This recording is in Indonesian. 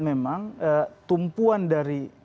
memang tumpuan dari